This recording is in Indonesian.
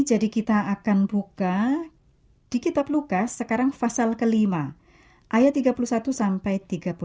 jadi kita akan buka di kitab lukas sekarang fasal ke lima ayat tiga puluh satu sampai tiga puluh dua